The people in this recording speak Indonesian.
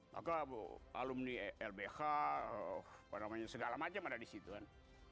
maka alumni lbk segala macam ada disitu kan